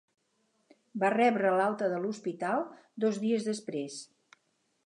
Va rebre l'alta de l'hospital dos dies després.